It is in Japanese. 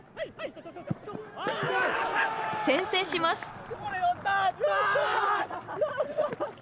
先制します。